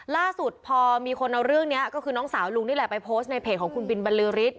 ล่าสุดพอมีคนเอาเรื่องนี้ก็คือน้องสาวลุงนี่แหละไปโพสต์ในเพจของคุณบินบรรลือฤทธ